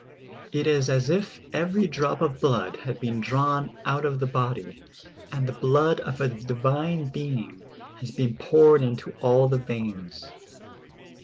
It is as if every drop of blood had been drawn out of the body, and the blood of a divine being had been poured into all the veins.